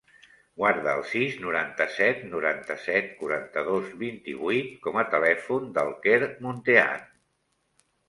Guarda el sis, noranta-set, noranta-set, quaranta-dos, vint-i-vuit com a telèfon del Quer Muntean.